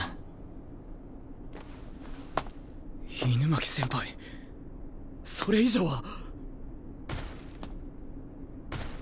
狗巻先輩それ以上は。